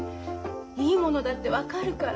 いいものだって分かるから。